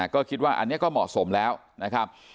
ก็คิดว่าอันนี้ก็เหมาะสมแล้วนะครับ